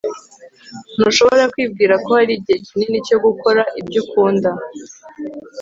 ntushobora kwibwira ko hari igihe kinini cyo gukora ibyo ukunda